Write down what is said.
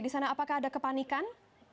di sana apakah ada kepanikan